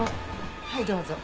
はいどうぞ。